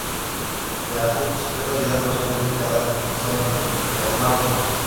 Yakutsk es la ciudad más grande ubicada en zona de permafrost.